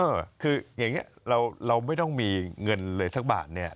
คืออย่างนี้เราไม่ต้องมีเงินเลยสักบาทเนี่ย